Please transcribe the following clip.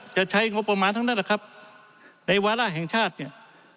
จะใช้งบประมาณทั้งนั้นแหละครับในวาระแห่งชาติเนี่ย